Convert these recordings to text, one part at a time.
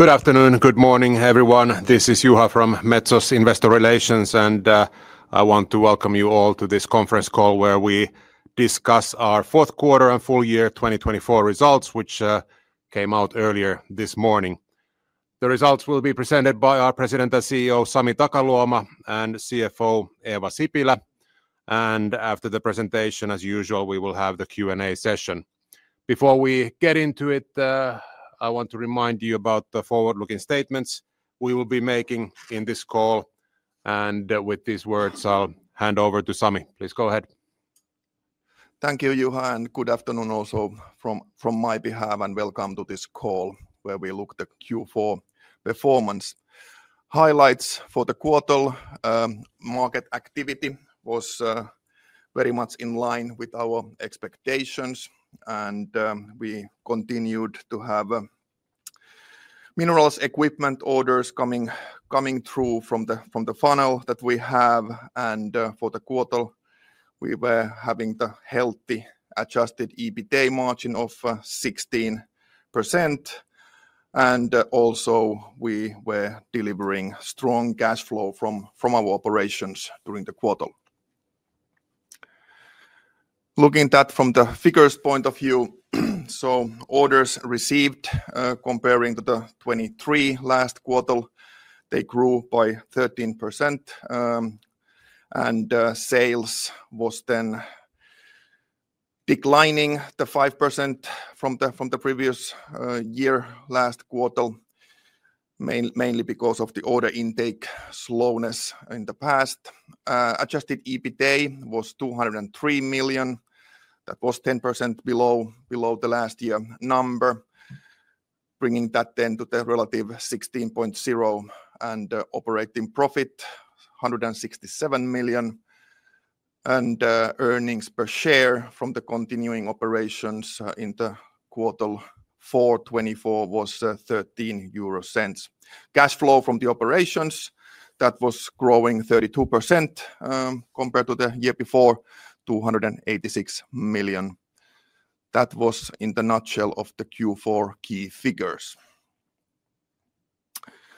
Good afternoon, good morning, everyone. This is Juha from Metso's Investor Relations, and I want to welcome you all to this conference call where we discuss our fourth quarter and full year 2024 results, which came out earlier this morning. The results will be presented by our President and CEO, Sami Takaluoma, and CFO, Eeva Sipilä, and after the presentation, as usual, we will have the Q&A session. Before we get into it, I want to remind you about the forward-looking statements we will be making in this call, and with these words, I'll hand over to Sami. Please go ahead. Thank you, Juha, and good afternoon also from my behalf, and welcome to this call where we look at the Q4 performance. Highlights for the quarter: market activity was very much in line with our expectations, and we continued to have minerals equipment orders coming through from the funnel that we have. And for the quarter, we were having the healthy Adjusted EBITDA margin of 16%. And also, we were delivering strong cash flow from our operations during the quarter. Looking at that from the figures point of view, so orders received comparing to the Q3 last quarter, they grew by 13%. And sales was then declining 5% from the previous year last quarter, mainly because of the order intake slowness in the past. Adjusted EBITDA was 203 million. That was 10% below the last year number, bringing that then to the relative 16.0. And operating profit, 167 million. Earnings per share from the continuing operations in the quarter for 2024 was 0.13. Cash flow from the operations, that was growing 32% compared to the year before, 286 million. That was in a nutshell of the Q4 key figures.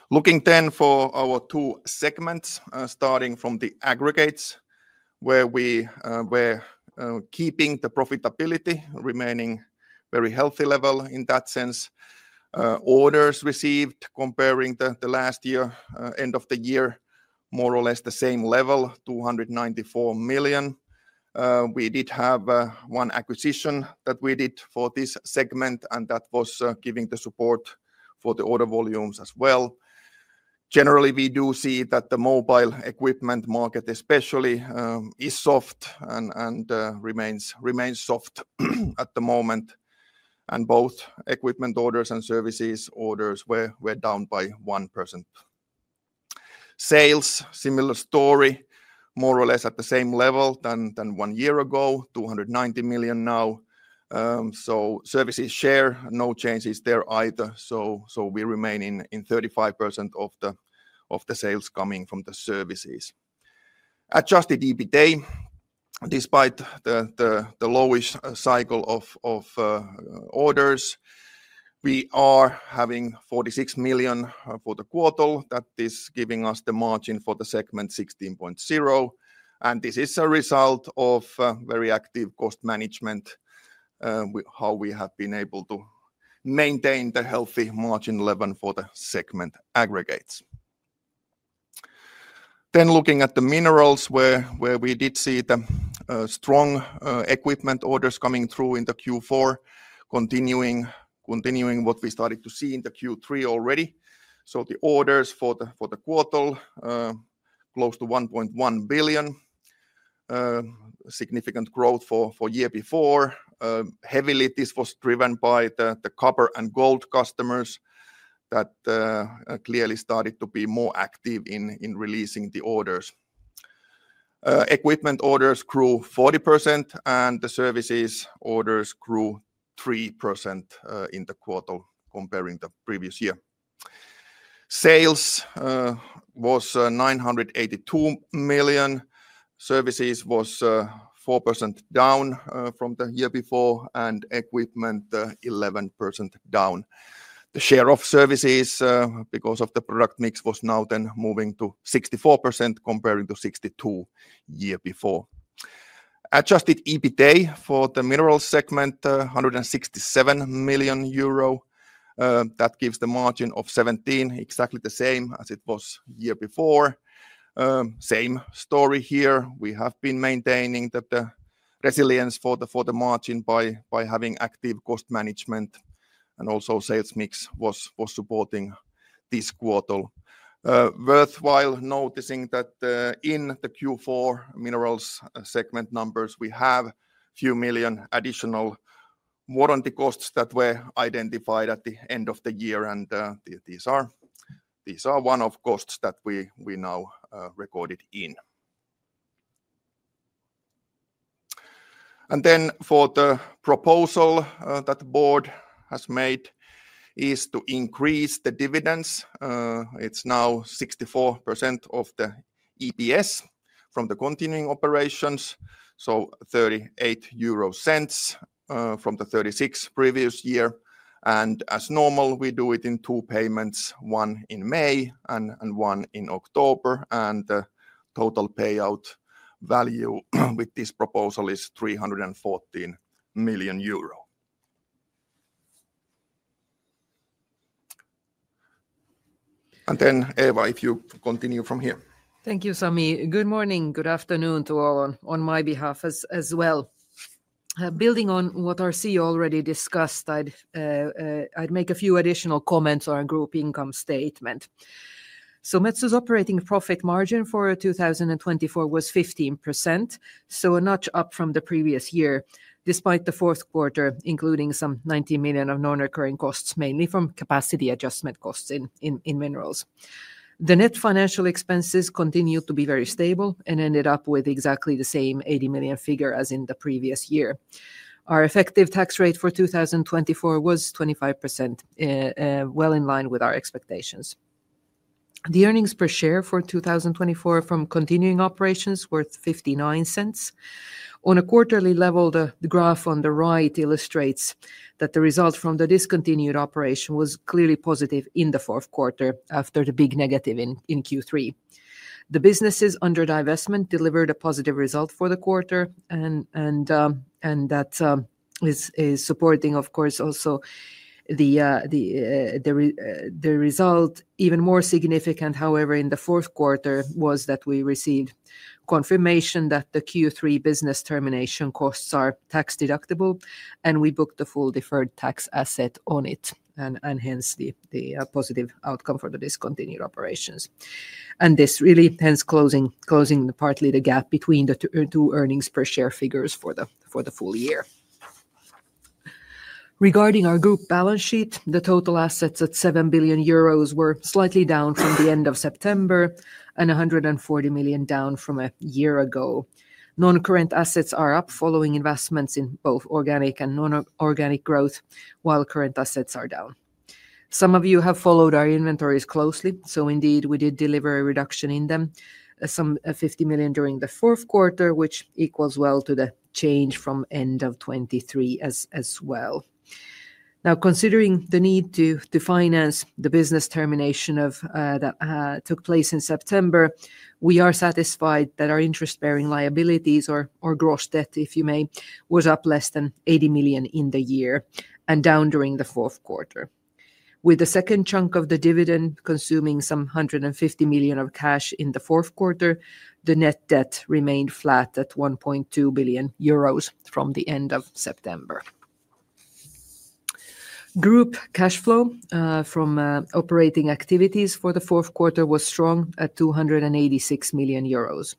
Looking then for our two segments, starting from the Aggregates, where we were keeping the profitability remaining very healthy level in that sense. Orders received comparing to the last year, end of the year, more or less the same level, 294 million. We did have one acquisition that we did for this segment, and that was giving the support for the order volumes as well. Generally, we do see that the mobile equipment market, especially, is soft and remains soft at the moment. Both equipment orders and services orders were down by 1%. Sales, similar story, more or less at the same level than one year ago, 290 million now. So services share, no changes there either. So we remain in 35% of the sales coming from the services. Adjusted EBITDA, despite the lowest cycle of orders, we are having 46 million for the quarter. That is giving us the margin for the segment 16.0%. And this is a result of very active cost management, how we have been able to maintain the healthy margin level for the segment aggregates. Then looking at the minerals, where we did see the strong equipment orders coming through in the Q4, continuing what we started to see in the Q3 already. So the orders for the quarter, close to 1.1 billion, significant growth for year before. Heavily, this was driven by the copper and gold customers that clearly started to be more active in releasing the orders. Equipment orders grew 40%, and the services orders grew 3% in the quarter comparing to the previous year. Sales was 982 million. Services was 4% down from the year before, and equipment 11% down. The share of services, because of the product mix, was now then moving to 64% comparing to 62 year before. Adjusted EBITDA for the minerals segment, 167 million euro. That gives the margin of 17%, exactly the same as it was year before. Same story here. We have been maintaining the resilience for the margin by having active cost management, and also sales mix was supporting this quarter. worthwhile noticing that in the Q4 minerals segment numbers, we have a few million additional warranty costs that were identified at the end of the year, and these are one of the costs that we now recorded in. Then, the proposal that the board has made is to increase the dividends. It's now 64% of the EPS from the continuing operations, so 0.38 from the 0.36 previous year. And as normal, we do it in two payments, one in May and one in October. And the total payout value with this proposal is 314 million euro. Then, Eeva, if you continue from here. Thank you, Sami. Good morning, good afternoon to all on my behalf as well. Building on what our CEO already discussed, I'd make a few additional comments on our group income statement, so Metso's operating profit margin for 2024 was 15%, so a notch up from the previous year, despite the fourth quarter including some 19 million of non-recurring costs, mainly from capacity adjustment costs in minerals. The net financial expenses continued to be very stable and ended up with exactly the same 80 million figure as in the previous year. Our effective tax rate for 2024 was 25%, well in line with our expectations. The earnings per share for 2024 from continuing operations were 0.59. On a quarterly level, the graph on the right illustrates that the result from the discontinued operation was clearly positive in the fourth quarter after the big negative in Q3. The businesses under divestment delivered a positive result for the quarter, and that is supporting, of course, also the result. Even more significant, however, in the fourth quarter was that we received confirmation that the Q3 business termination costs are tax deductible, and we booked the full deferred tax asset on it, and hence the positive outcome for the discontinued operations, and this really hence closing partly the gap between the two earnings per share figures for the full year. Regarding our group balance sheet, the total assets at 7 billion euros were slightly down from the end of September and 140 million down from a year ago. Non-current assets are up following investments in both organic and non-organic growth, while current assets are down. Some of you have followed our inventories closely, so indeed we did deliver a reduction in them, some 50 million during the fourth quarter, which equals well to the change from end of 2023 as well. Now, considering the need to finance the business termination that took place in September, we are satisfied that our interest-bearing liabilities, or gross debt if you may, was up less than 80 million in the year and down during the fourth quarter. With the second chunk of the dividend consuming some 150 million of cash in the fourth quarter, the net debt remained flat at 1.2 billion euros from the end of September. Group cash flow from operating activities for the fourth quarter was strong at 286 million euros.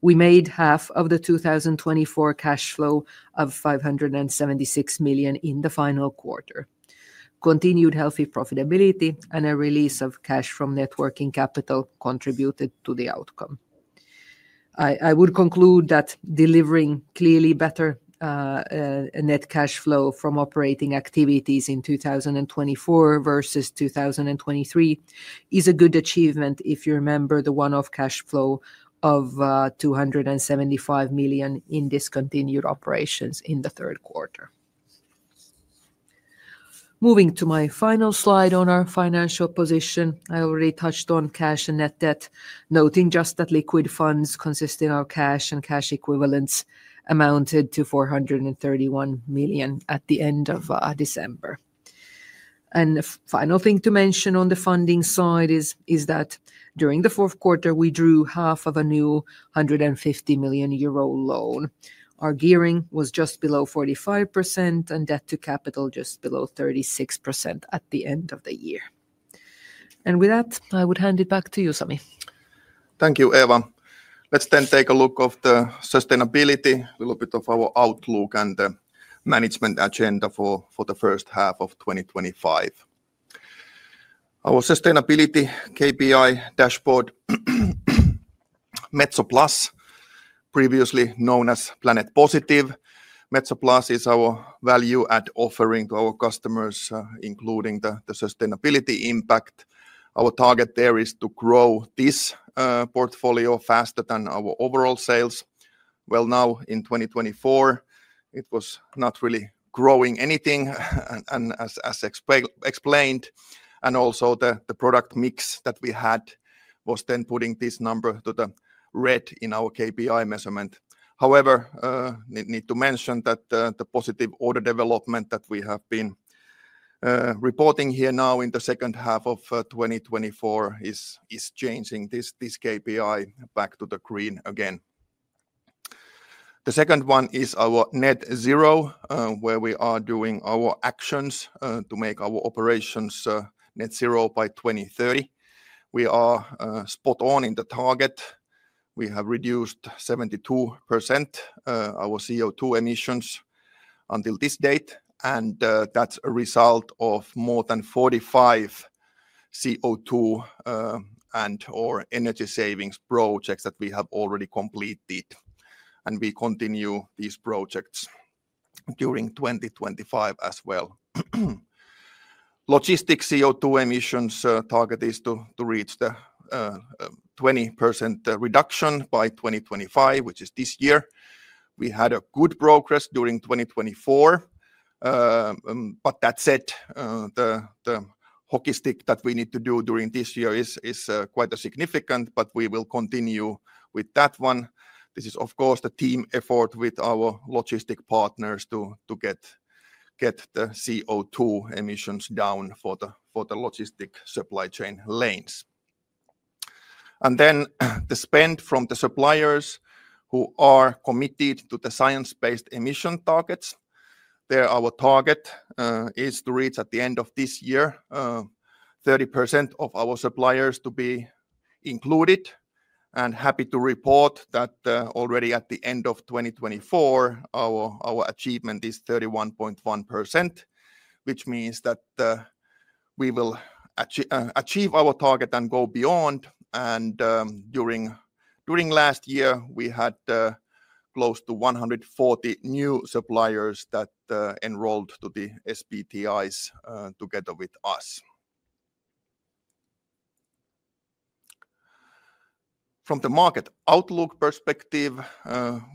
We made half of the 2024 cash flow of 576 million in the final quarter. Continued healthy profitability and a release of cash from net working capital contributed to the outcome. I would conclude that delivering clearly better net cash flow from operating activities in 2024 versus 2023 is a good achievement if you remember the one-off cash flow of 275 million in discontinued operations in the third quarter. Moving to my final slide on our financial position, I already touched on cash and net debt, noting just that liquid funds consisting of cash and cash equivalents amounted to 431 million at the end of December. The final thing to mention on the funding side is that during the fourth quarter, we drew EUR 75 million of a new 150 million euro loan. Our gearing was just below 45% and debt to capital just below 36% at the end of the year. With that, I would hand it back to you, Sami. Thank you, Eeva. Let's then take a look at the sustainability, a little bit of our outlook and the management agenda for the first half of 2025. Our sustainability KPI dashboard, Metso Plus, previously known as Planet Positive. Metso Plus is our value-add offering to our customers, including the sustainability impact. Our target there is to grow this portfolio faster than our overall sales. Well, now in 2024, it was not really growing anything, as explained. And also the product mix that we had was then putting this number to the red in our KPI measurement. However, I need to mention that the positive order development that we have been reporting here now in the second half of 2024 is changing this KPI back to the green again. The second one is our net zero, where we are doing our actions to make our operations net zero by 2030. We are spot on in the target. We have reduced 72% our CO2 emissions until this date, and that's a result of more than 45 CO2 and/or energy savings projects that we have already completed, and we continue these projects during 2025 as well. Logistics CO2 emissions target is to reach the 20% reduction by 2025, which is this year. We had a good progress during 2024, but that said, the hockey stick that we need to do during this year is quite significant, but we will continue with that one. This is, of course, the team effort with our logistics partners to get the CO2 emissions down for the logistics supply chain lanes, and then the spend from the suppliers who are committed to the science-based emission targets. There our target is to reach at the end of this year 30% of our suppliers to be included. Happy to report that already at the end of 2024, our achievement is 31.1%, which means that we will achieve our target and go beyond. During last year, we had close to 140 new suppliers that enrolled to the SBTis together with us. From the market outlook perspective,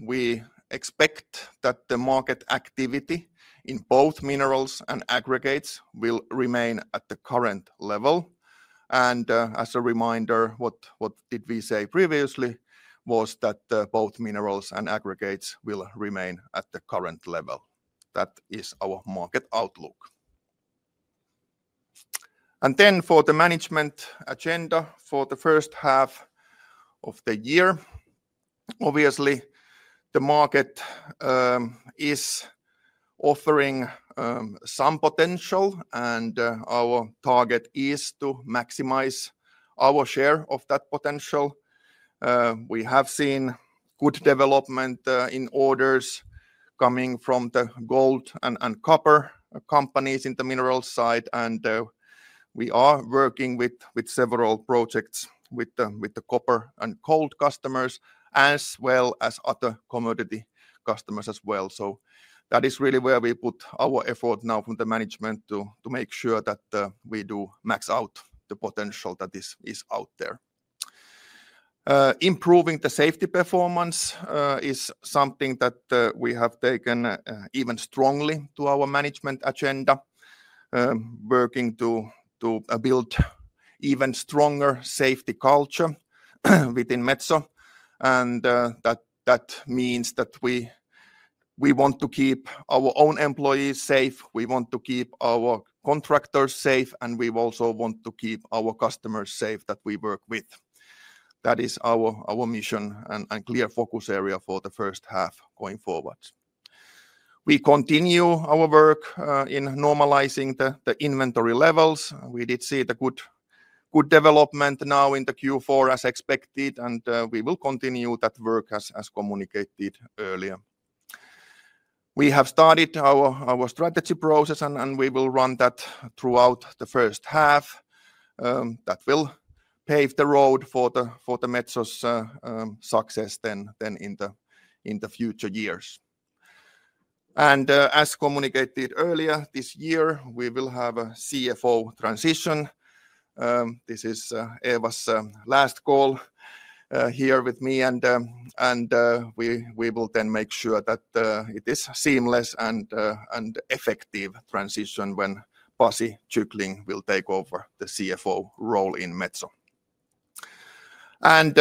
we expect that the market activity in both minerals and aggregates will remain at the current level. As a reminder, what did we say previously was that both minerals and aggregates will remain at the current level. That is our market outlook. Then for the management agenda for the first half of the year, obviously the market is offering some potential, and our target is to maximize our share of that potential. We have seen good development in orders coming from the gold and copper companies in the mineral side, and we are working with several projects with the copper and gold customers, as well as other commodity customers as well, so that is really where we put our effort now from the management to make sure that we do max out the potential that is out there. Improving the safety performance is something that we have taken even strongly to our management agenda, working to build even stronger safety culture within Metso, and that means that we want to keep our own employees safe, we want to keep our contractors safe, and we also want to keep our customers safe that we work with. That is our mission and clear focus area for the first half going forward. We continue our work in normalizing the inventory levels. We did see the good development now in the Q4 as expected, and we will continue that work as communicated earlier. We have started our strategy process, and we will run that throughout the first half. That will pave the road for Metso's success then in the future years. And as communicated earlier this year, we will have a CFO transition. This is Eeva's last call here with me, and we will then make sure that it is a seamless and effective transition when Pasi Kyckling will take over the CFO role in Metso. And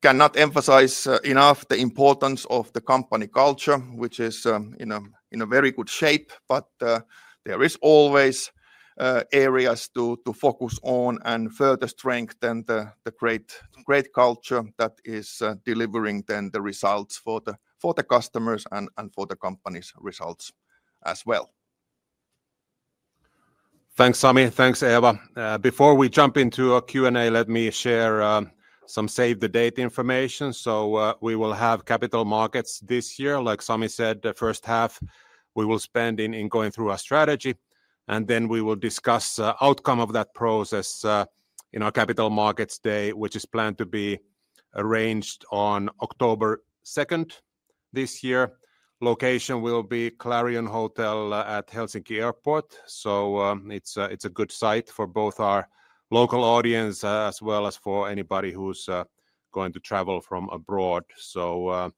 cannot emphasize enough the importance of the company culture, which is in a very good shape, but there are always areas to focus on and further strengthen the great culture that is delivering then the results for the customers and for the company's results as well. Thanks, Sami. Thanks, Eeva. Before we jump into a Q&A, let me share some save-the-date information. So we will have capital markets this year. Like Sami said, the first half we will spend in going through our strategy, and then we will discuss the outcome of that process in our Capital Markets Day, which is planned to be arranged on October 2nd this year. Location will be Clarion Hotel Helsinki Airport. So it's a good site for both our local audience as well as for anybody who's going to travel from abroad. So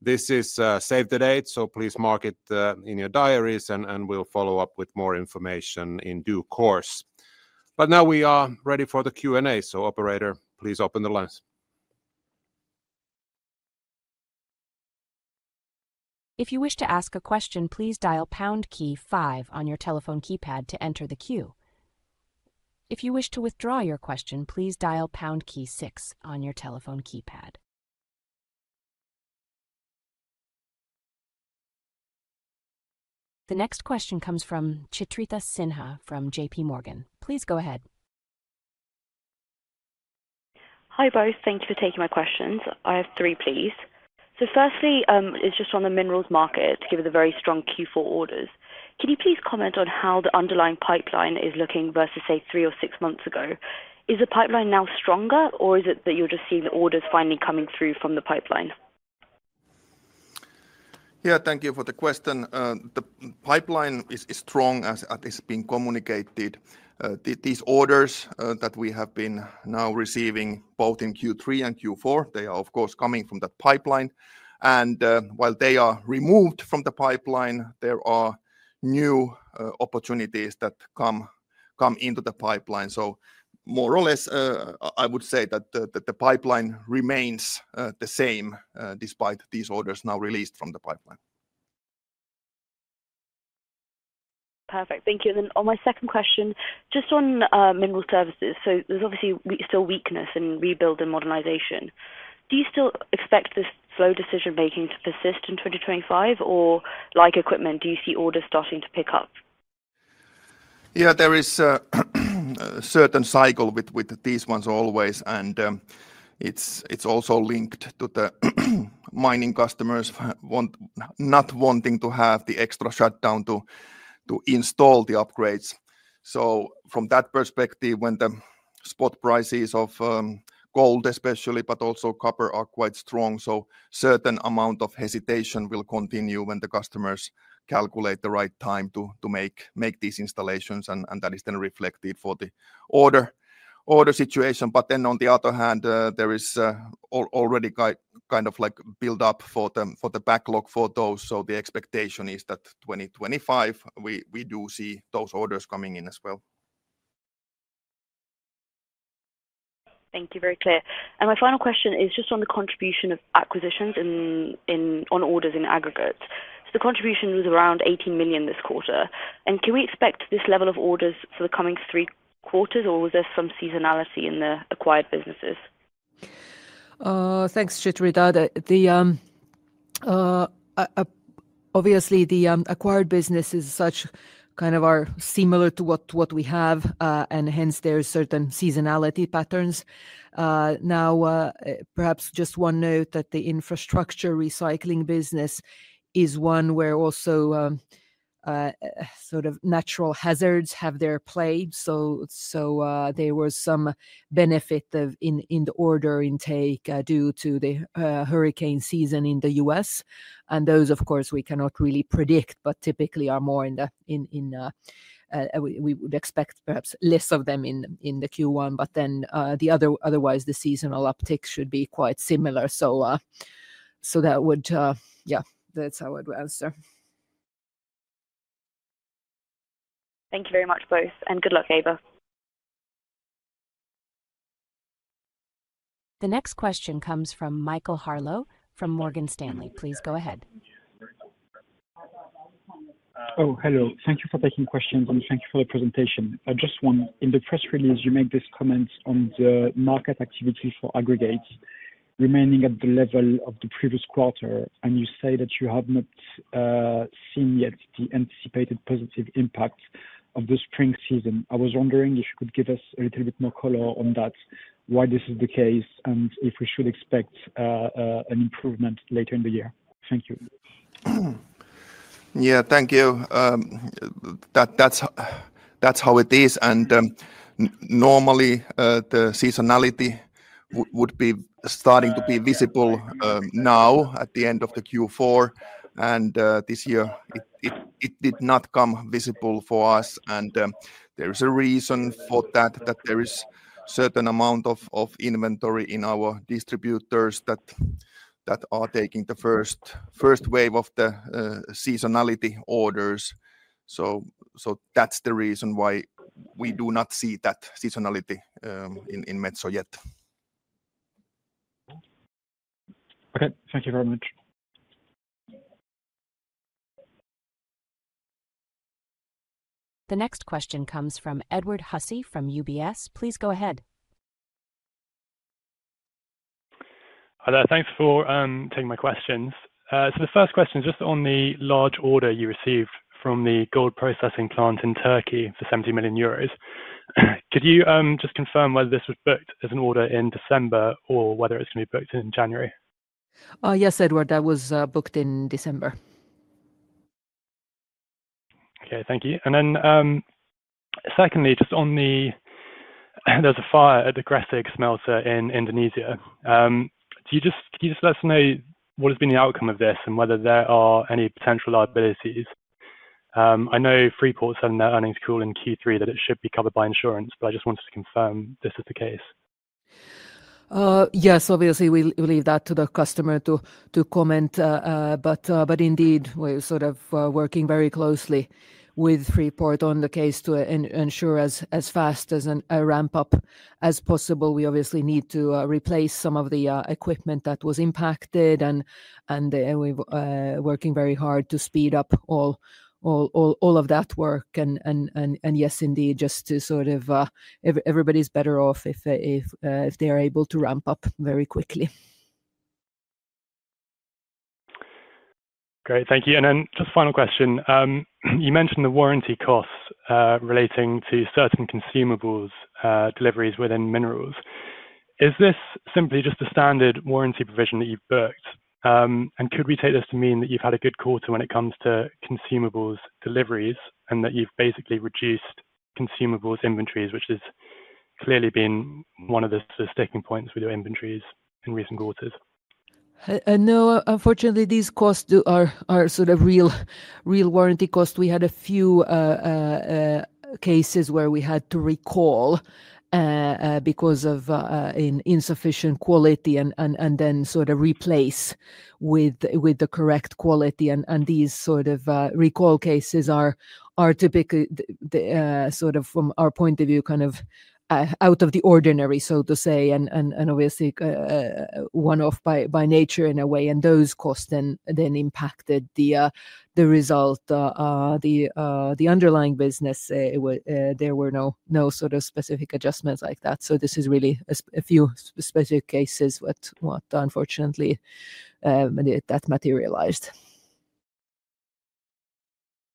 this is save-the-date, so please mark it in your diaries, and we'll follow up with more information in due course. But now we are ready for the Q&A. So operator, please open the lines. If you wish to ask a question, please dial pound key five on your telephone keypad to enter the queue. If you wish to withdraw your question, please dial pound key six on your telephone keypad. The next question comes from Chitrita Sinha from J.P. Morgan. Please go ahead. Hi both, thank you for taking my questions. I have three, please. So firstly, it's just on the minerals market to give it the very strong Q4 orders. Can you please comment on how the underlying pipeline is looking versus, say, three or six months ago? Is the pipeline now stronger, or is it that you're just seeing the orders finally coming through from the pipeline? Yeah, thank you for the question. The pipeline is strong, as it's been communicated. These orders that we have been now receiving both in Q3 and Q4, they are, of course, coming from that pipeline. And while they are removed from the pipeline, there are new opportunities that come into the pipeline. So more or less, I would say that the pipeline remains the same despite these orders now released from the pipeline. Perfect, thank you. And then on my second question, just on mineral services, so there's obviously still weakness in rebuild and modernization. Do you still expect this slow decision-making to persist in 2025, or like equipment, do you see orders starting to pick up? Yeah, there is a certain cycle with these ones always, and it's also linked to the mining customers not wanting to have the extra shutdown to install the upgrades. So from that perspective, when the spot prices of gold, especially, but also copper, are quite strong, so a certain amount of hesitation will continue when the customers calculate the right time to make these installations, and that is then reflected for the order situation. But then on the other hand, there is already kind of like build-up for the backlog for those. So the expectation is that 2025, we do see those orders coming in as well. Thank you, very clear. And my final question is just on the contribution of acquisitions on orders in aggregate. So the contribution was around 18 million this quarter. And can we expect this level of orders for the coming three quarters, or was there some seasonality in the acquired businesses? Thanks, Chitrita. Obviously, the acquired business is such kind of similar to what we have, and hence there are certain seasonality patterns. Now, perhaps just one note that the infrastructure recycling business is one where also sort of natural hazards have their play. So there was some benefit in the order intake due to the hurricane season in the U.S. And those, of course, we cannot really predict, but typically are more in the we would expect perhaps less of them in the Q1, but then otherwise the seasonal uptick should be quite similar. So that would, yeah, that's how I'd answer. Thank you very much both, and good luck, Eeva. The next question comes from Michael Harlow from Morgan Stanley. Please go ahead. Oh, hello. Thank you for taking questions, and thank you for the presentation. Just one, in the press release, you make these comments on the market activity for aggregates remaining at the level of the previous quarter, and you say that you have not seen yet the anticipated positive impact of the spring season. I was wondering if you could give us a little bit more color on that, why this is the case, and if we should expect an improvement later in the year. Thank you. Yeah, thank you. That's how it is, and normally, the seasonality would be starting to be visible now at the end of the Q4, and this year it did not come visible for us, and there is a reason for that, that there is a certain amount of inventory in our distributors that are taking the first wave of the seasonality orders, so that's the reason why we do not see that seasonality in Metso yet. Okay, thank you very much. The next question comes from Edward Hussey from UBS. Please go ahead. Thanks for taking my questions. So the first question is just on the large order you received from the gold processing plant in Turkey for 70 million euros. Could you just confirm whether this was booked as an order in December or whether it's going to be booked in January? Yes, Edward, that was booked in December. Okay, thank you, and then secondly, just on the, there's a fire at the Gresik smelter in Indonesia. Can you just let us know what has been the outcome of this and whether there are any potential liabilities? I know Freeport's earnings call in Q3 that it should be covered by insurance, but I just wanted to confirm this is the case. Yes, obviously, we leave that to the customer to comment, but indeed, we're sort of working very closely with Freeport on the case to ensure as fast as a ramp-up as possible. We obviously need to replace some of the equipment that was impacted, and we're working very hard to speed up all of that work. And yes, indeed, just to sort of, everybody's better off if they're able to ramp up very quickly. Great, thank you. And then just final question. You mentioned the warranty costs relating to certain consumables deliveries within minerals. Is this simply just a standard warranty provision that you've booked? And could we take this to mean that you've had a good quarter when it comes to consumables deliveries and that you've basically reduced consumables inventories, which has clearly been one of the sticking points with your inventories in recent quarters? No, unfortunately, these costs are sort of real warranty costs. We had a few cases where we had to recall because of insufficient quality and then sort of replace with the correct quality, and these sort of recall cases are typically, sort of from our point of view, kind of out of the ordinary, so to say, and obviously one-off by nature in a way, and those costs then impacted the result. The underlying business, there were no sort of specific adjustments like that, so this is really a few specific cases that unfortunately that materialized.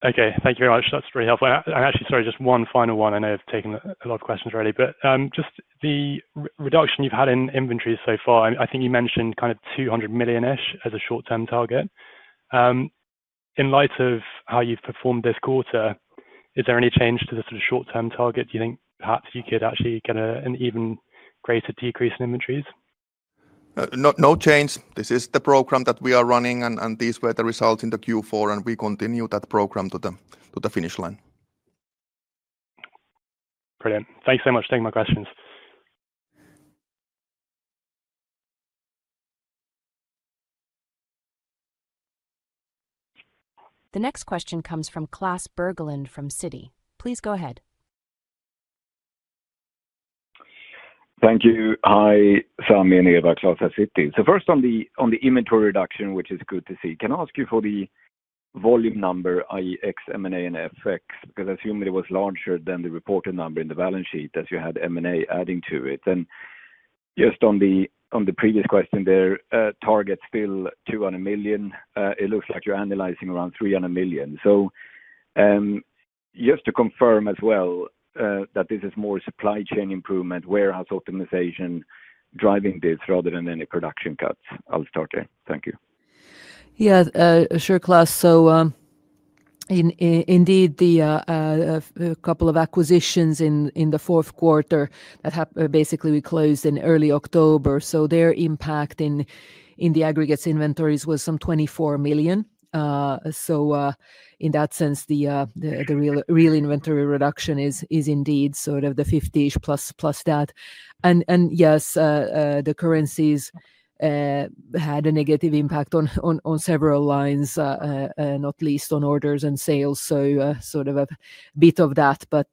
Okay, thank you very much. That's really helpful. And actually, sorry, just one final one. I know I've taken a lot of questions already, but just the reduction you've had in inventory so far, I think you mentioned kind of 200 million-ish as a short-term target. In light of how you've performed this quarter, is there any change to the sort of short-term target? Do you think perhaps you could actually get an even greater decrease in inventories? No change. This is the program that we are running, and these were the results in the Q4, and we continue that program to the finish line. Brilliant. Thanks so much for taking my questions. The next question comes from Klas Bergelind from Citi. Please go ahead. Thank you. Hi, Sami and Eeva, Klas at Citi. So first, on the inventory reduction, which is good to see, can I ask you for the volume number, i.e., ex-M&A and FX, because I assume it was larger than the reported number in the balance sheet as you had M&A adding to it. And just on the previous question, their target's still 200 million. It looks like you're analyzing around 300 million. So just to confirm as well that this is more supply chain improvement, warehouse optimization driving this rather than any production cuts. I'll start there. Thank you. Yeah, sure, Klas. So indeed, the couple of acquisitions in the fourth quarter that basically we closed in early October, so their impact in the aggregates inventories was some 24 million. So in that sense, the real inventory reduction is indeed sort of the 50-ish plus that. And yes, the currencies had a negative impact on several lines, not least on orders and sales, so sort of a bit of that. But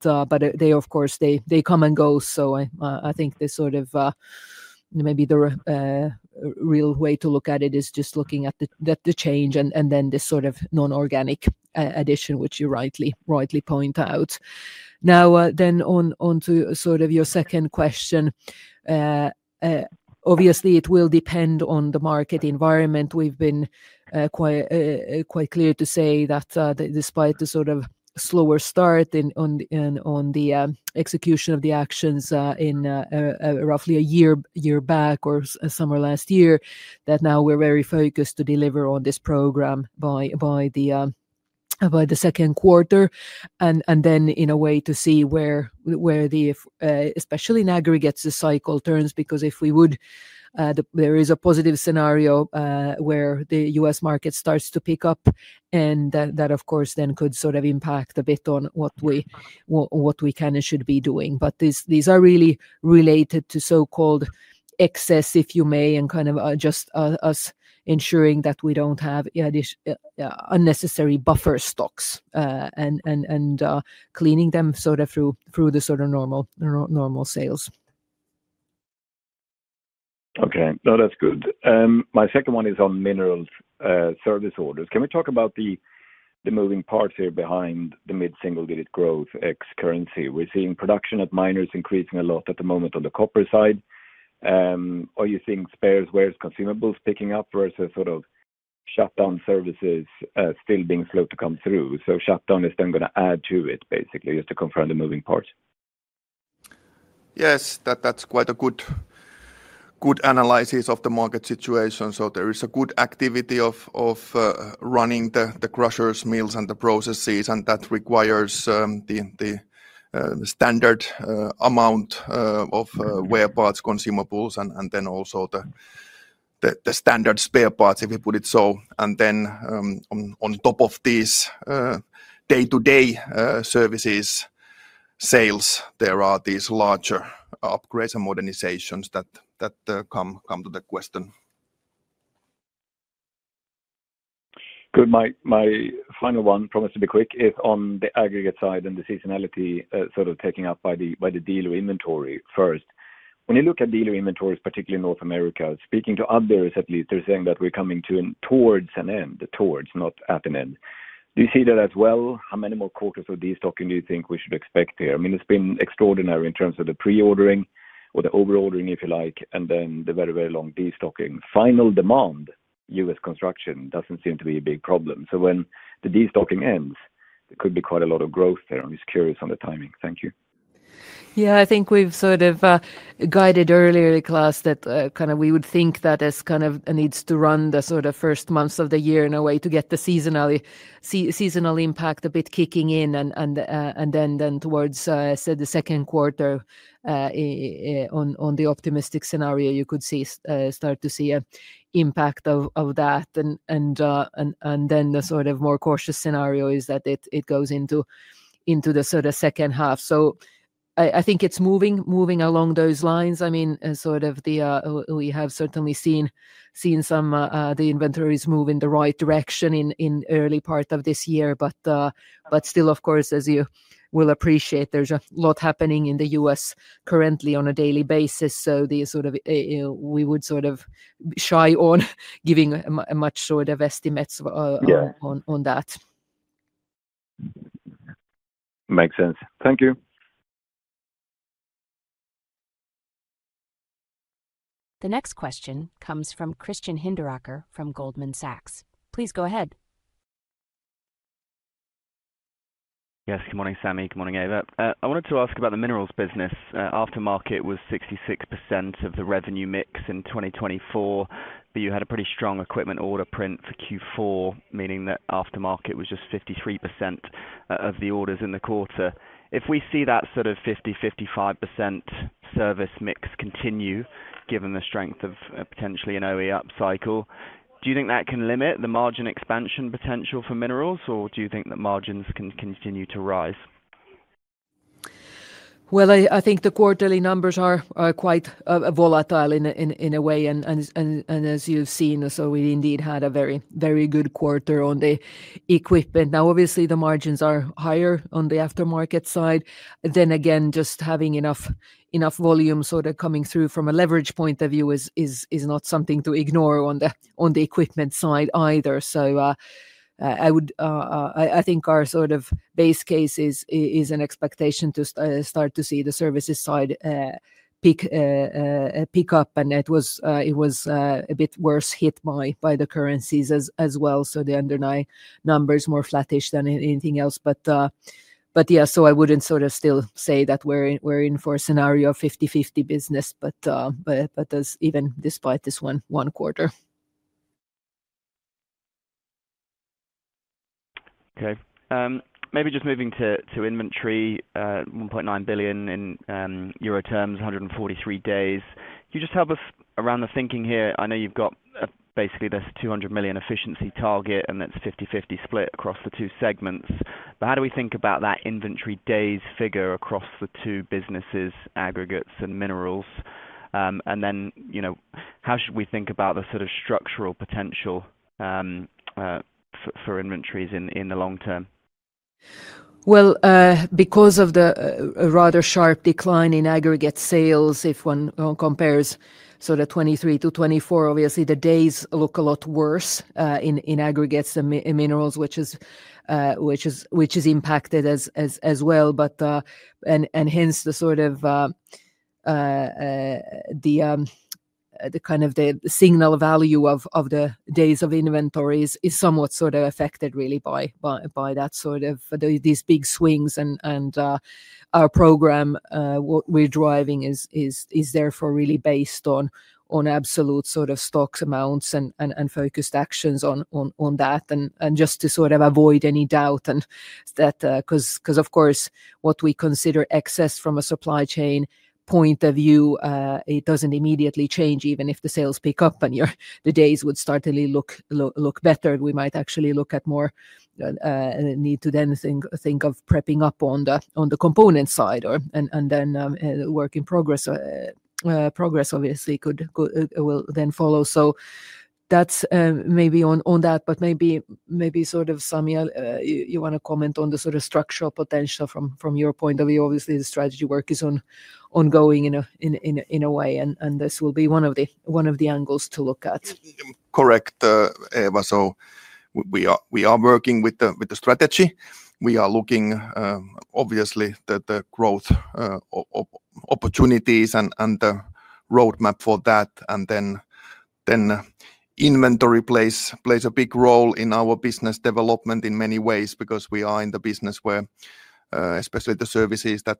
they, of course, they come and go, so I think this sort of maybe the real way to look at it is just looking at the change and then this sort of non-organic addition, which you rightly point out. Now, then onto sort of your second question, obviously, it will depend on the market environment. We've been quite clear to say that despite the sort of slower start on the execution of the actions in roughly a year back or summer last year, that now we're very focused to deliver on this program by the second quarter. And then in a way to see where the, especially in aggregates, the cycle turns, because if we would, there is a positive scenario where the U.S. market starts to pick up, and that, of course, then could sort of impact a bit on what we can and should be doing. But these are really related to so-called excess, if you may, and kind of just us ensuring that we don't have unnecessary buffer stocks and cleaning them sort of through the sort of normal sales. Okay, no, that's good. My second one is on minerals service orders. Can we talk about the moving parts here behind the mid-single digit growth ex-currency? We're seeing production at miners increasing a lot at the moment on the copper side. Are you seeing spares, wear consumables picking up versus sort of shutdown services still being slow to come through? So shutdown is then going to add to it, basically, just to confirm the moving parts. Yes, that's quite a good analysis of the market situation. So there is a good activity of running the crushers, mills, and the processes, and that requires the standard amount of wear parts, consumables, and then also the standard spare parts, if you put it so, and then on top of these day-to-day services sales, there are these larger upgrades and modernizations that come to the question. Good. My final one, promise to be quick, is on the aggregate side and the seasonality sort of taking up by the dealer inventory first. When you look at dealer inventories, particularly in North America, speaking to others at least, they're saying that we're coming towards an end, towards, not at an end. Do you see that as well? How many more quarters of destocking do you think we should expect here? I mean, it's been extraordinary in terms of the pre-ordering or the over-ordering, if you like, and then the very, very long destocking. Final demand, U.S. construction, doesn't seem to be a big problem. So when the destocking ends, there could be quite a lot of growth there. I'm just curious on the timing. Thank you. Yeah, I think we've sort of guided earlier, Klas, that kind of we would think that as kind of needs to run the sort of first months of the year in a way to get the seasonal impact a bit kicking in, and then towards the second quarter on the optimistic scenario, you could start to see an impact of that. And then the sort of more cautious scenario is that it goes into the sort of second half. So I think it's moving along those lines. I mean, sort of we have certainly seen some of the inventories move in the right direction in the early part of this year, but still, of course, as you will appreciate, there's a lot happening in the U.S. currently on a daily basis. So we would sort of shy on giving much sort of estimates on that. Makes sense. Thank you. The next question comes from Christian Hinderaker from Goldman Sachs. Please go ahead. Yes, good morning, Sami. Good morning, Eeva. I wanted to ask about the minerals business. Aftermarket was 66% of the revenue mix in 2024, but you had a pretty strong equipment order print for Q4, meaning that aftermarket was just 53% of the orders in the quarter. If we see that sort of 50%-55% service mix continue given the strength of potentially an OE upcycle, do you think that can limit the margin expansion potential for minerals, or do you think that margins can continue to rise? I think the quarterly numbers are quite volatile in a way. As you've seen, we indeed had a very good quarter on the equipment. Now, obviously, the margins are higher on the aftermarket side. Just having enough volume sort of coming through from a leverage point of view is not something to ignore on the equipment side either. I think our sort of base case is an expectation to start to see the services side pick up. It was a bit worse hit by the currencies as well. The underlying number is more flattish than anything else. Yeah, I wouldn't sort of still say that we're in for a scenario of 50-50 business, but even despite this one quarter. Okay. Maybe just moving to inventory, 1.9 billion in euro terms, 143 days. Can you just help us around the thinking here? I know you've got basically this 200 million efficiency target, and that's 50-50 split across the two segments. But how do we think about that inventory days figure across the two businesses, aggregates and minerals? And then how should we think about the sort of structural potential for inventories in the long term? Because of the rather sharp decline in aggregate sales, if one compares sort of 2023 to 2024, obviously, the days look a lot worse in aggregates and minerals, which is impacted as well. And hence the sort of kind of the signal value of the days of inventories is somewhat sort of affected really by that sort of these big swings. And our program we're driving is therefore really based on absolute sort of stocks amounts and focused actions on that. And just to sort of avoid any doubt that because, of course, what we consider excess from a supply chain point of view, it doesn't immediately change even if the sales pick up and the days would start to look better. We might actually look at more need to then think of prepping up on the component side. And then work in progress, obviously, will then follow. So that's maybe on that. But maybe sort of Sami, you want to comment on the sort of structural potential from your point of view. Obviously, the strategy work is ongoing in a way, and this will be one of the angles to look at. Correct, Eeva. So we are working with the strategy. We are looking, obviously, at the growth opportunities and the roadmap for that. And then inventory plays a big role in our business development in many ways because we are in the business where especially the services that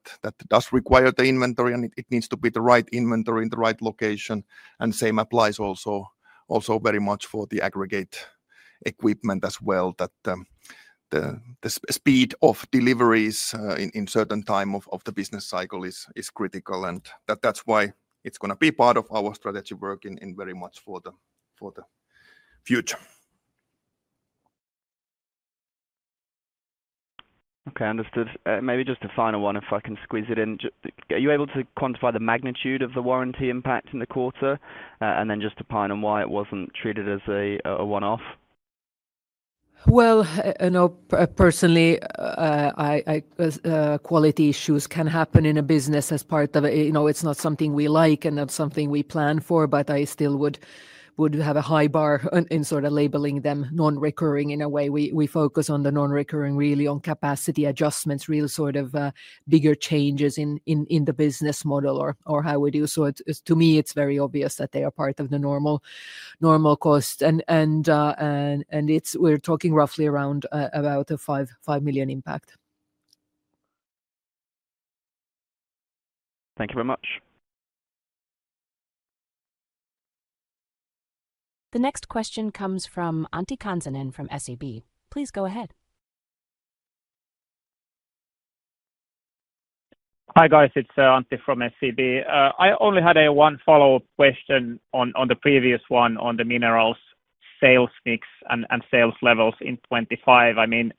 does require the inventory, and it needs to be the right inventory in the right location. And same applies also very much for the aggregate equipment as well. That the speed of deliveries in certain time of the business cycle is critical. And that's why it's going to be part of our strategy work in very much for the future. Okay, understood. Maybe just a final one, if I can squeeze it in. Are you able to quantify the magnitude of the warranty impact in the quarter? And then just opine on why it wasn't treated as a one-off? Personally, quality issues can happen in a business as part of it. It's not something we like and not something we plan for, but I still would have a high bar in sort of labeling them non-recurring in a way. We focus on the non-recurring really on capacity adjustments, real sort of bigger changes in the business model or how we do. So to me, it's very obvious that they are part of the normal cost. And we're talking roughly around about a 5 million impact. Thank you very much. The next question comes from Antti Kansanen from SEB. Please go ahead. Hi guys, it's Antti from SEB. I only had one follow-up question on the previous one on the minerals sales mix and sales levels in 2025. I mean,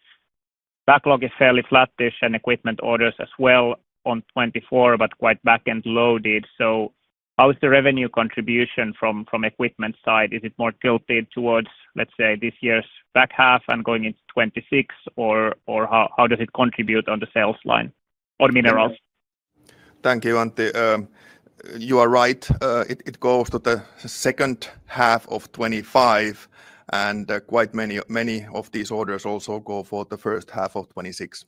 backlog is fairly flattish and equipment orders as well on 2024, but quite back-end loaded. So how is the revenue contribution from equipment side? Is it more tilted towards, let's say, this year's back half and going into 2026, or how does it contribute on the sales line or minerals? Thank you, Antti. You are right. It goes to the second half of 2025, and quite many of these orders also go for the first half of 2026.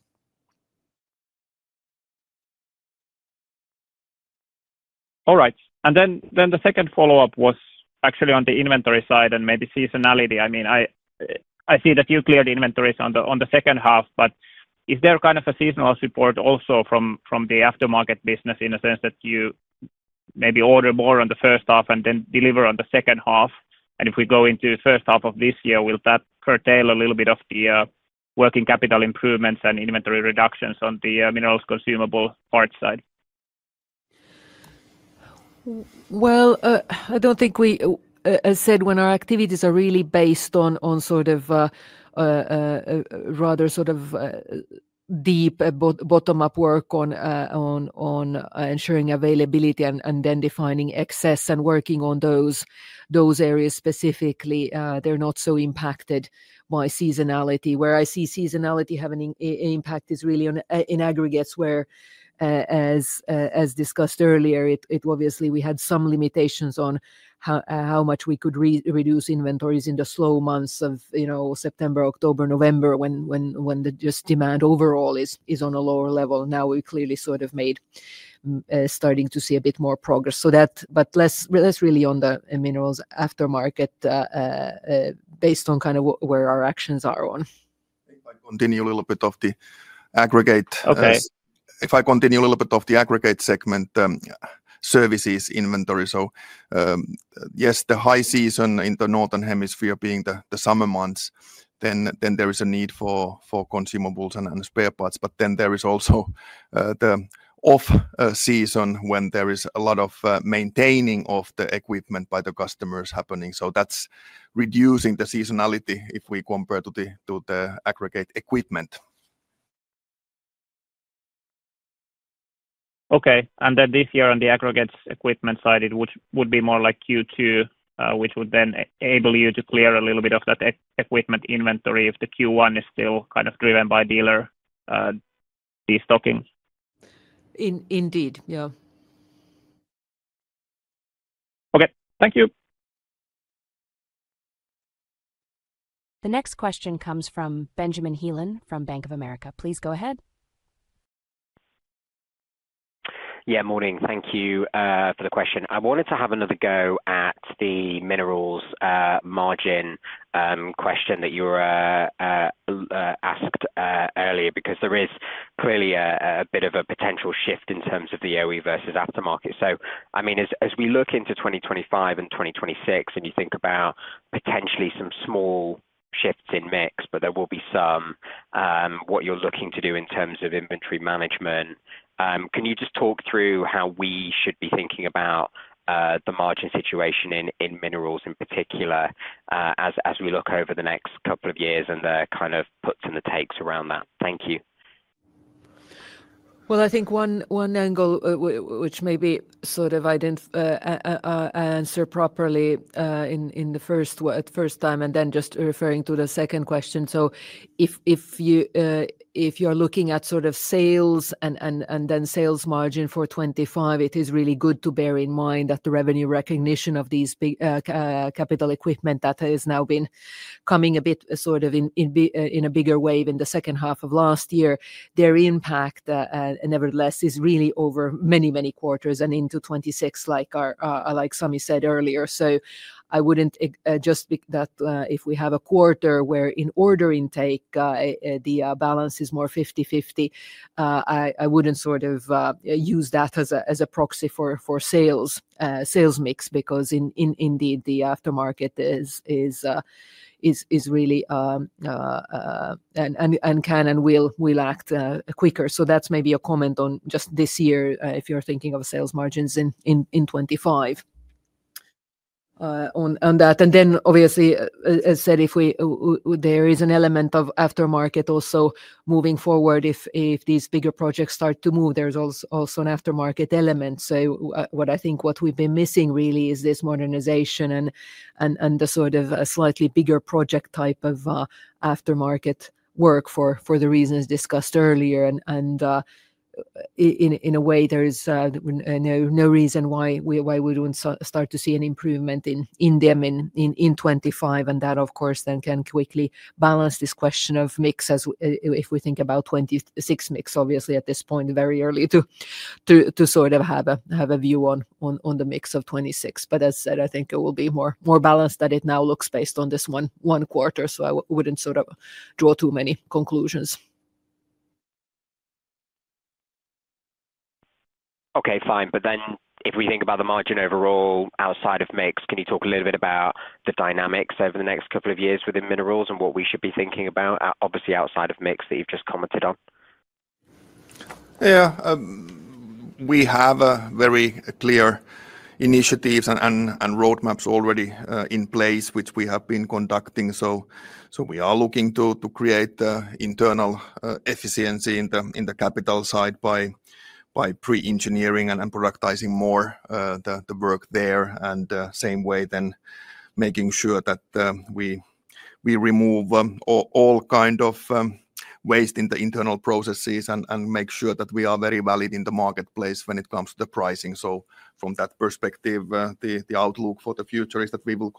All right. And then the second follow-up was actually on the inventory side and maybe seasonality. I mean, I see that you cleared inventories on the second half, but is there kind of a seasonal support also from the aftermarket business in a sense that you maybe order more on the first half and then deliver on the second half? And if we go into the first half of this year, will that curtail a little bit of the working capital improvements and inventory reductions on the minerals consumable part side? I don't think we, as I said, when our activities are really based on sort of rather sort of deep bottom-up work on ensuring availability and then defining excess and working on those areas specifically, they're not so impacted by seasonality. Where I see seasonality having an impact is really in aggregates where, as discussed earlier, obviously we had some limitations on how much we could reduce inventories in the slow months of September, October, November when just demand overall is on a lower level. Now we've clearly sort of starting to see a bit more progress. But less really on the minerals aftermarket based on kind of where our actions are on. I think I continue a little bit of the aggregate. If I continue a little bit of the aggregate segment, services, inventory. So yes, the high season in the northern hemisphere being the summer months, then there is a need for consumables and spare parts. But then there is also the off season when there is a lot of maintaining of the equipment by the customers happening. So that's reducing the seasonality if we compare to the aggregate equipment. Okay. And then this year on the aggregates equipment side, it would be more like Q2, which would then enable you to clear a little bit of that equipment inventory if the Q1 is still kind of driven by dealer destocking. Indeed, yeah. Okay, thank you. The next question comes from Benjamin Heelan from Bank of America. Please go ahead. Yeah, morning. Thank you for the question. I wanted to have another go at the minerals margin question that you were asked earlier because there is clearly a bit of a potential shift in terms of the OE versus aftermarket. So I mean, as we look into 2025 and 2026 and you think about potentially some small shifts in mix, but there will be some, what you're looking to do in terms of inventory management, can you just talk through how we should be thinking about the margin situation in minerals in particular as we look over the next couple of years and the kind of puts and the takes around that? Thank you. I think one angle, which may be sort of answered properly in the first time and then just referring to the second question. So if you are looking at sort of sales and then sales margin for 2025, it is really good to bear in mind that the revenue recognition of these capital equipment that has now been coming a bit sort of in a bigger wave in the second half of last year, their impact nevertheless is really over many, many quarters and into 2026, like Sami said earlier. So I wouldn't just pick that if we have a quarter where in order intake, the balance is more 50-50. I wouldn't sort of use that as a proxy for sales mix because indeed the aftermarket is really and can and will act quicker. That's maybe a comment on just this year if you're thinking of sales margins in 2025 on that. Then obviously, as I said, there is an element of aftermarket also moving forward. If these bigger projects start to move, there's also an aftermarket element. What I think we've been missing really is this modernization and the sort of slightly bigger project type of aftermarket work for the reasons discussed earlier. In a way, there is no reason why we wouldn't start to see an improvement in them in 2025. That, of course, then can quickly balance this question of mix if we think about 2026 mix. Obviously at this point very early to sort of have a view on the mix of 2026. As I said, I think it will be more balanced than it now looks based on this one quarter. So I wouldn't sort of draw too many conclusions. Okay, fine. But then if we think about the margin overall outside of mix, can you talk a little bit about the dynamics over the next couple of years within minerals and what we should be thinking about, obviously outside of mix that you've just commented on? Yeah. We have very clear initiatives and roadmaps already in place, which we have been conducting, so we are looking to create internal efficiency in the capital side by pre-engineering and productizing more the work there, and same way then making sure that we remove all kind of waste in the internal processes and make sure that we are very valid in the marketplace when it comes to the pricing, so from that perspective, the outlook for the future is that we will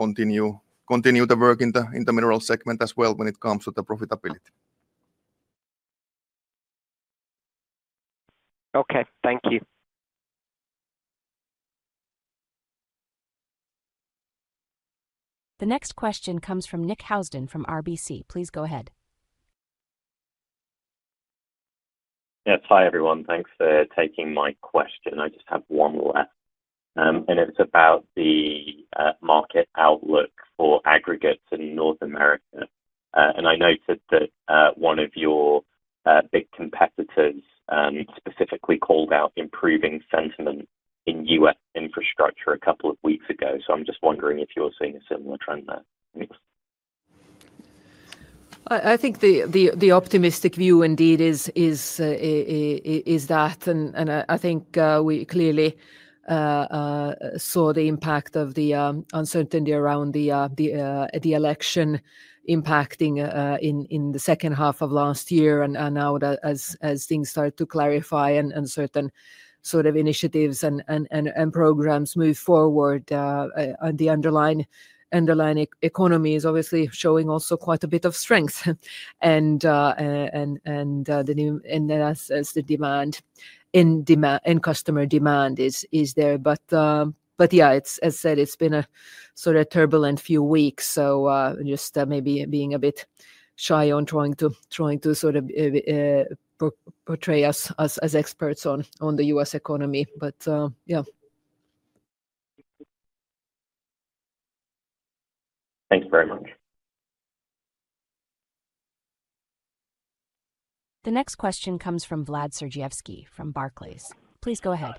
continue the work in the minerals segment as well when it comes to the profitability. Okay, thank you. The next question comes from Nick Housden from RBC. Please go ahead. Yes, hi everyone. Thanks for taking my question. I just have one left. And it's about the market outlook for aggregates in North America. And I noted that one of your big competitors specifically called out improving sentiment in U.S. infrastructure a couple of weeks ago. So I'm just wondering if you're seeing a similar trend there. I think the optimistic view indeed is that, and I think we clearly saw the impact of the uncertainty around the election impacting in the second half of last year, and now as things start to clarify and certain sort of initiatives and programs move forward, the underlying economy is obviously showing also quite a bit of strength, and as the demand in customer demand is there, but yeah, as I said, it's been a sort of turbulent few weeks, so just maybe being a bit shy on trying to sort of portray us as experts on the U.S. economy, but yeah. Thanks very much. The next question comes from Vlad Sergievskiy from Barclays. Please go ahead.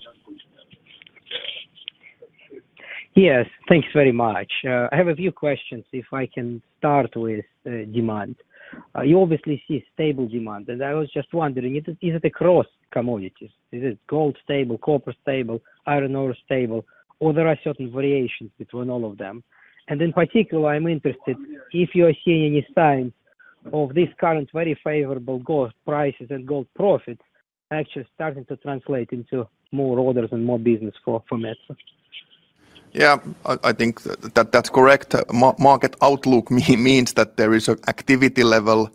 Yes, thanks very much. I have a few questions. If I can start with demand, you obviously see stable demand. And I was just wondering, is it across commodities? Is it gold stable, copper stable, iron ore stable, or there are certain variations between all of them? And in particular, I'm interested if you are seeing any signs of this current very favorable gold prices and gold profits actually starting to translate into more orders and more business for Metso? Yeah, I think that's correct. Market outlook means that there is an activity level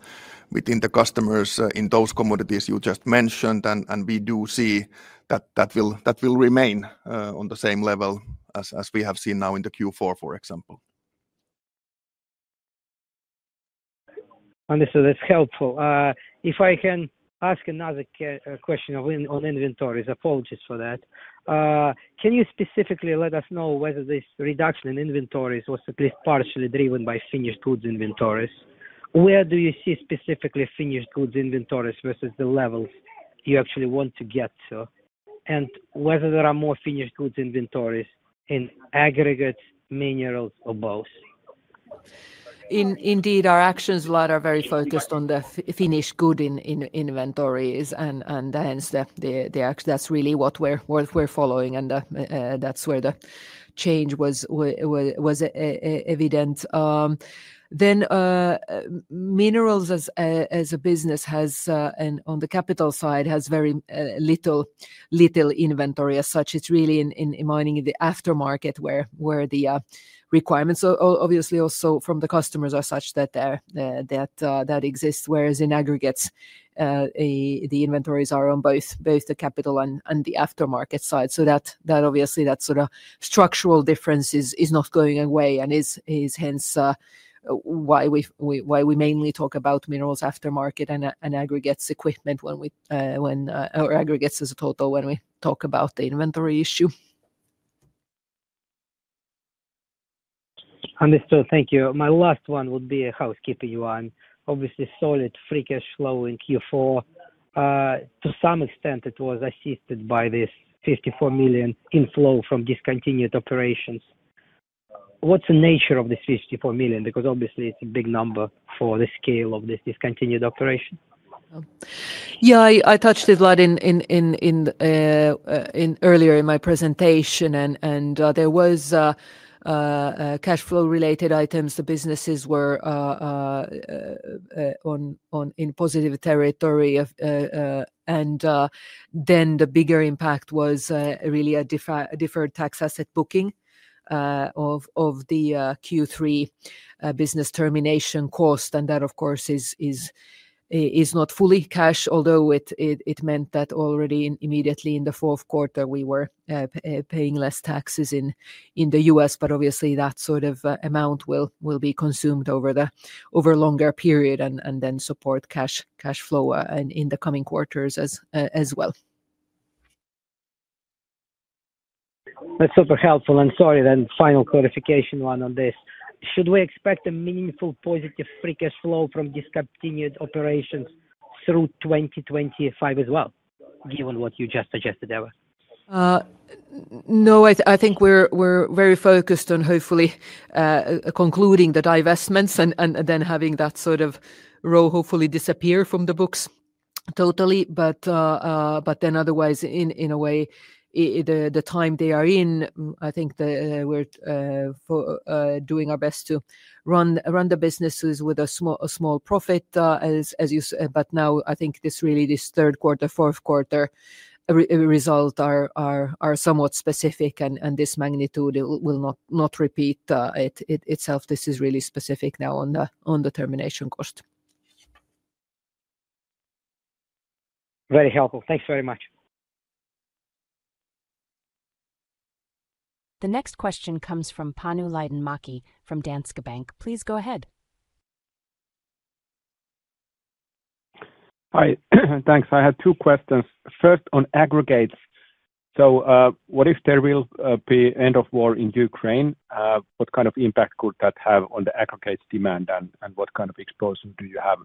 within the customers in those commodities you just mentioned. And we do see that that will remain on the same level as we have seen now in the Q4, for example. Understood. That's helpful. If I can ask another question on inventories, apologies for that. Can you specifically let us know whether this reduction in inventories was at least partially driven by finished goods inventories? Where do you see specifically finished goods inventories versus the levels you actually want to get to, and whether there are more finished goods inventories in aggregates, minerals, or both? Indeed, our actions are very focused on the finished goods inventories, and hence, that's really what we're following, and that's where the change was evident. Then minerals as a business on the capital side has very little inventory as such. It's really mining in the aftermarket where the requirements obviously also from the customers are such that exist. Whereas in aggregates, the inventories are on both the capital and the aftermarket side, so that obviously that sort of structural difference is not going away, and is hence why we mainly talk about minerals aftermarket and aggregates equipment when we or aggregates as a total when we talk about the inventory issue. Understood. Thank you. My last one would be a housekeeping one. Obviously, solid free cash flow in Q4. To some extent, it was assisted by this 54 million inflow from discontinued operations. What's the nature of this 54 million? Because obviously, it's a big number for the scale of this discontinued operation. Yeah, I touched it a lot earlier in my presentation, and there was cash flow-related items. The businesses were in positive territory, and then the bigger impact was really a deferred tax asset booking of the Q3 business termination cost. And that, of course, is not fully cash, although it meant that already immediately in the fourth quarter, we were paying less taxes in the U.S. But obviously, that sort of amount will be consumed over a longer period and then support cash flow in the coming quarters as well. That's super helpful, and sorry, then final clarification: one on this. Should we expect a meaningful positive free cash flow from discontinued operations through 2025 as well, given what you just suggested, Eeva? No, I think we're very focused on hopefully concluding the divestments and then having that sort of row hopefully disappear from the books totally. But then otherwise, in a way, the time they are in, I think we're doing our best to run the businesses with a small profit, as you said. But now, I think this really third quarter, fourth quarter result are somewhat specific. And this magnitude will not repeat itself. This is really specific now on the termination cost. Very helpful. Thanks very much. The next question comes from Panu Laitinmäki from Danske Bank. Please go ahead. Hi, thanks. I had two questions. First, on aggregates, so what if there will be end of war in Ukraine? What kind of impact could that have on the aggregates demand and what kind of explosion do you have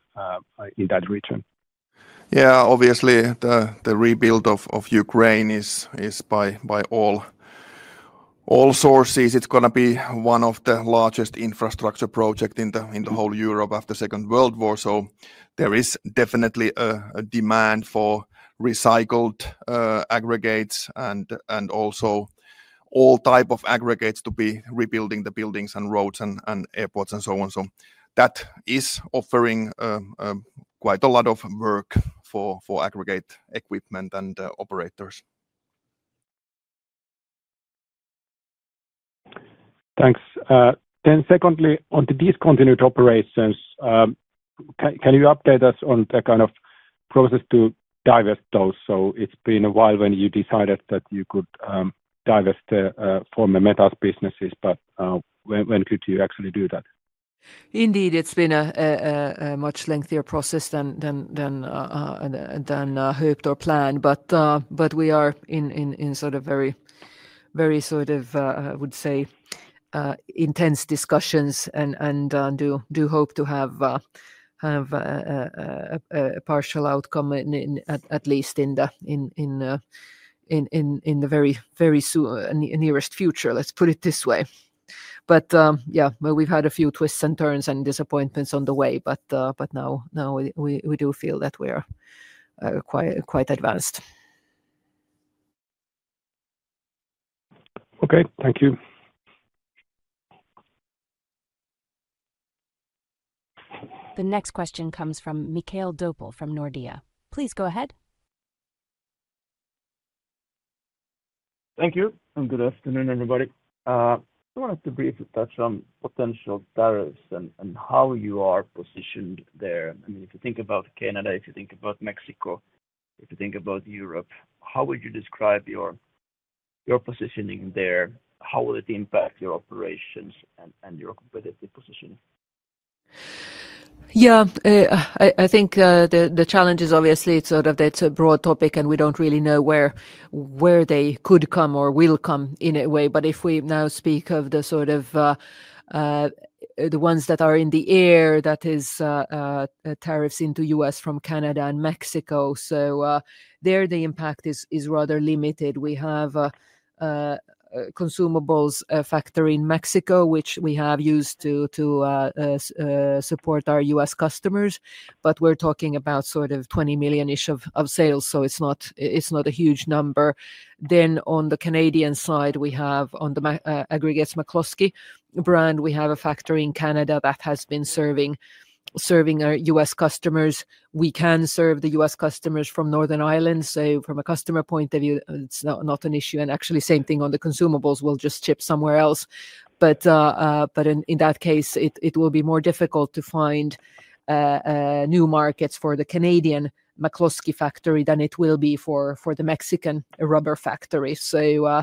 in that region? Yeah, obviously, the rebuild of Ukraine is by all sources. It's going to be one of the largest infrastructure projects in the whole Europe after Second World War, so there is definitely a demand for recycled aggregates and also all type of aggregates to be rebuilding the buildings and roads and airports and so on, so that is offering quite a lot of work for aggregate equipment and operators. Thanks, then secondly, on the discontinued operations, can you update us on the kind of process to divest those, so it's been a while when you decided that you could divest from the metals businesses, but when could you actually do that? Indeed, it's been a much lengthier process than hoped or planned. But we are in sort of very sort of, I would say, intense discussions and do hope to have a partial outcome at least in the very nearest future, let's put it this way. But yeah, we've had a few twists and turns and disappointments on the way. But now we do feel that we are quite advanced. Okay, thank you. The next question comes from Mikael Doepel from Nordea. Please go ahead. Thank you. Good afternoon, everybody. I wanted to briefly touch on potential tariffs and how you are positioned there. I mean, if you think about Canada, if you think about Mexico, if you think about Europe, how would you describe your positioning there? How will it impact your operations and your competitive position? Yeah, I think the challenge is obviously sort of that's a broad topic and we don't really know where they could come or will come in a way. But if we now speak of the sort of the ones that are in the air, that is tariffs into the U.S. from Canada and Mexico. So there the impact is rather limited. We have a consumables factory in Mexico, which we have used to support our U.S. customers. But we're talking about sort of 20 million-ish of sales. So it's not a huge number. Then on the Canadian side, we have on the aggregates McCloskey brand, we have a factory in Canada that has been serving our U.S. customers. We can serve the U.S. customers from Northern Ireland. So from a customer point of view, it's not an issue. And actually, same thing on the consumables. We'll just ship somewhere else. But in that case, it will be more difficult to find new markets for the Canadian McCloskey factory than it will be for the Mexican rubber factory. So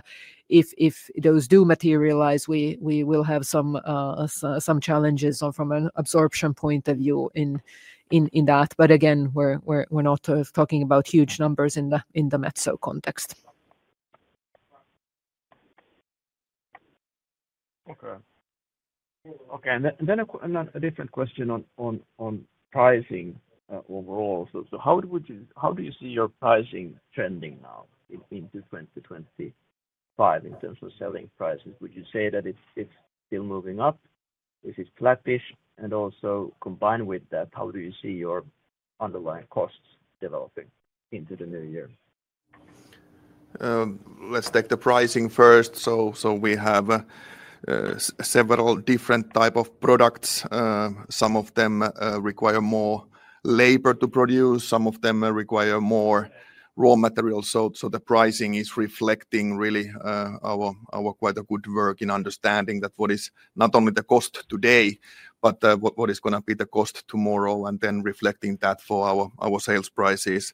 if those do materialize, we will have some challenges from an absorption point of view in that. But again, we're not talking about huge numbers in the Metso context. Okay. Okay. And then a different question on pricing overall. So how do you see your pricing trending now into 2025 in terms of selling prices? Would you say that it's still moving up? Is it flattish? And also combined with that, how do you see your underlying costs developing into the new year? Let's take the pricing first. So we have several different types of products. Some of them require more labor to produce. Some of them require more raw materials. So the pricing is reflecting really our quite good work in understanding that what is not only the cost today, but what is going to be the cost tomorrow and then reflecting that for our sales prices.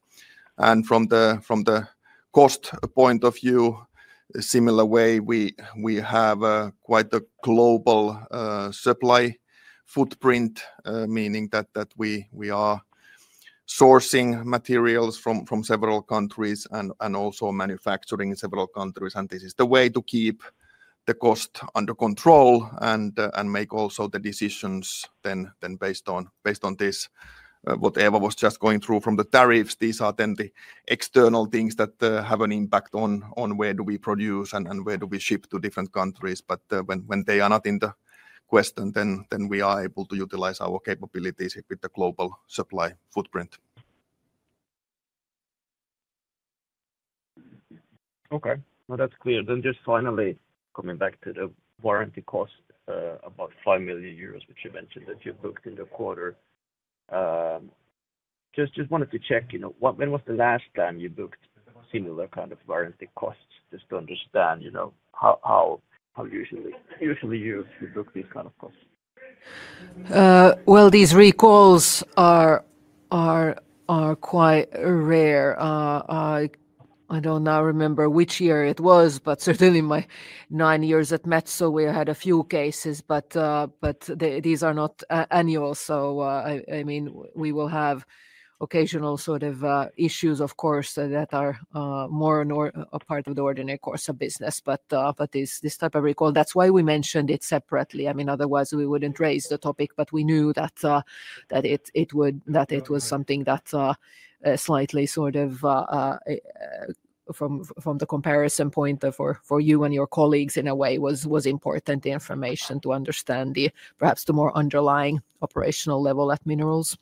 And from the cost point of view, similar way, we have quite a global supply footprint, meaning that we are sourcing materials from several countries and also manufacturing in several countries. And this is the way to keep the cost under control and make also the decisions then based on this. What Eeva was just going through from the tariffs, these are then the external things that have an impact on where do we produce and where do we ship to different countries. But when they are not in the question, then we are able to utilize our capabilities with the global supply footprint. Okay. No, that's clear. Then just finally, coming back to the warranty cost of 5 million euros, which you mentioned that you booked in the quarter. Just wanted to check, when was the last time you booked similar kind of warranty costs? Just to understand how usually you book these kinds of costs. These recalls are quite rare. I don't now remember which year it was, but certainly my nine years at Metso, we had a few cases. But these are not annual. So I mean, we will have occasional sort of issues, of course, that are more and more a part of the ordinary course of business. But this type of recall, that's why we mentioned it separately. I mean, otherwise, we wouldn't raise the topic. But we knew that it was something that slightly sort of from the comparison point for you and your colleagues in a way was important information to understand perhaps the more underlying operational level at Minerals.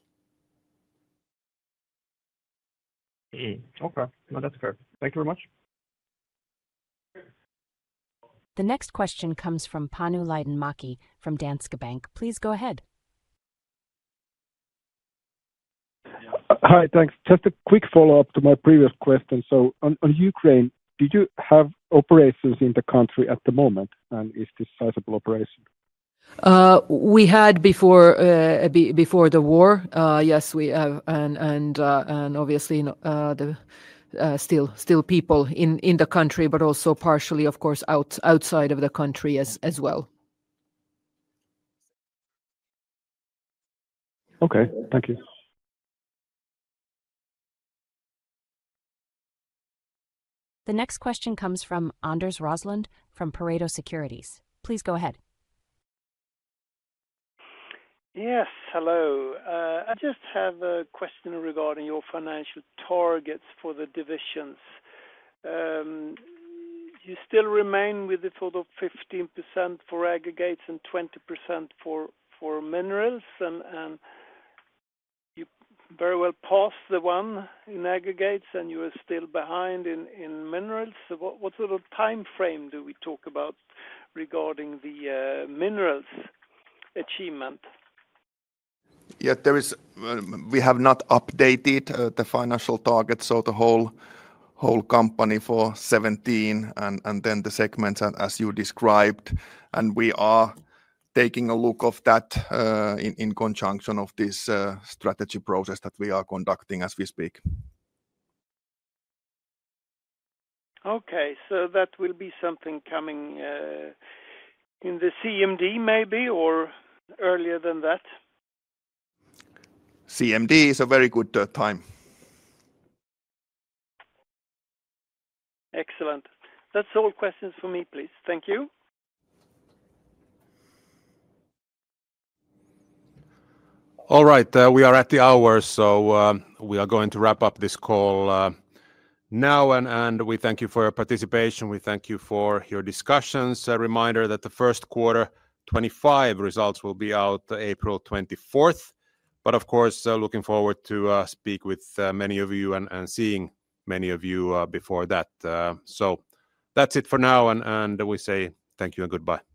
Okay. No, that's perfect. Thank you very much. The next question comes from Panu Laitinmäki from Danske Bank. Please go ahead. Hi, thanks. Just a quick follow-up to my previous question. So on Ukraine, did you have operations in the country at the moment? And is this sizable operation? We had before the war. Yes, we have. And obviously, still people in the country, but also partially, of course, outside of the country as well. Okay. Thank you. The next question comes from Anders Roslund from Pareto Securities. Please go ahead. Yes, hello. I just have a question regarding your financial targets for the divisions. You still remain with the sort of 15% for aggregates and 20% for minerals. And you very well passed the one in aggregates, and you are still behind in minerals. So what sort of timeframe do we talk about regarding the minerals achievement? Yeah, we have not updated the financial targets. So the whole company for 2017 and then the segments as you described. And we are taking a look at that in conjunction with this strategy process that we are conducting as we speak. Okay. So that will be something coming in the CMD maybe or earlier than that? CMD is a very good time. Excellent. That's all questions for me, please. Thank you. All right. We are at the hour, so we are going to wrap up this call now. And we thank you for your participation. We thank you for your discussions. A reminder that the first quarter 2025 results will be out April 24th. But of course, looking forward to speak with many of you and seeing many of you before that. So that's it for now. And we say thank you and goodbye.